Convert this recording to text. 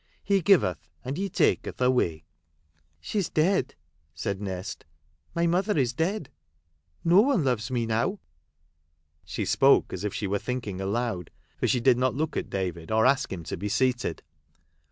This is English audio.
He giveth and He taketh away !"" She is dead," said Nest, " my mother is dead. No one loves me now." She spoke as if she were thinking aloud, for she did not look at David, or ask him to be seated.